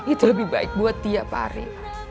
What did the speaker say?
itu lebih baik buat tiara pak ari